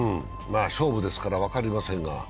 勝負ですから分かりませんが。